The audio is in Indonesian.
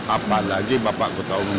apa lagi bapak ketua umum